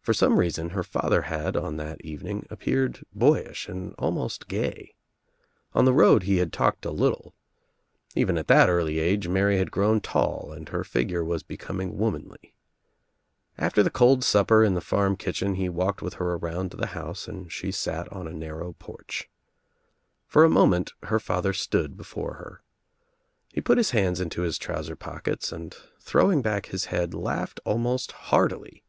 For some reason her father had, on that evening, appeared boyish and al most gay. On the road he had talked a little. Even at that early age Mary had grown tall and her figure was becoming womanly. After the cold supper in the farm kitchen he walked with her around the house and she sat on a narrow porch. For a moment her father stood before her. He put his hands into his trouser pockets and throwing back his head laughed almost heartily.